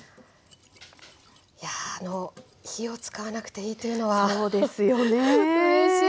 いや火を使わなくていいというのはうれしいですよね。